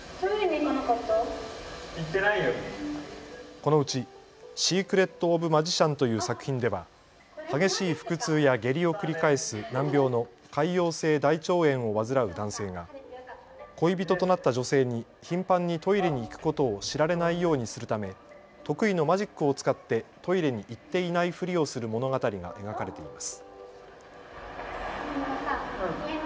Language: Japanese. このうちＳｅｃｒｅｔｏｆｍａｇｉｃｉａｎという作品では、激しい腹痛や下痢を繰り返す難病の潰瘍性大腸炎を患う男性が恋人となった女性に頻繁にトイレに行くことを知られないようにするため、得意のマジックを使ってトイレに行っていないふりをする物語が描かれています。